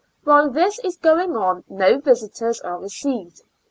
While this is going on no visitors are received.